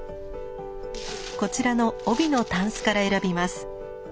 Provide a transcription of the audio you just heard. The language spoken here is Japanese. こちらの帯のタンスから選びます。